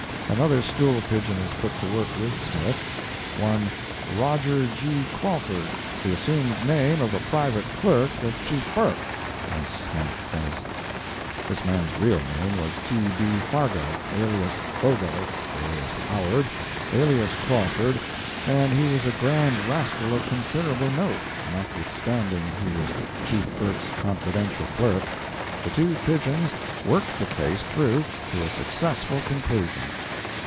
Another stool pigeon is put to work with "Smith"—one "Robert G. Crawford, the assumed name of a private clerk of Chief Burke," as Smythe says. [This man's real name was T. B. Fargo, alias Fogo, alias Howard, alias Crawford, and he was a grand rascal of considerable note, notwithstanding he was Chief Burke's confidential clerk.] The two pigeons worked the case through to a successful conclusion.